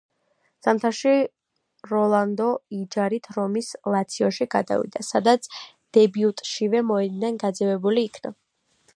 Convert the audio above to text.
ზამთარში როლანდო იჯარით რომის ლაციოში გადავიდა, სადაც დებიუტშივე მოედნიდან გაძევებული იქნა.